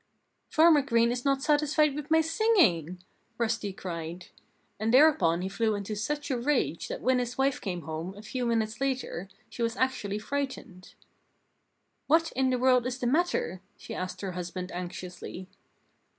"Farmer Green is not satisfied with my singing!" Rusty cried. And thereupon he flew into such a rage that when his wife came home, a few minutes later, she was actually frightened. "What in the world is the matter?" she asked her husband anxiously.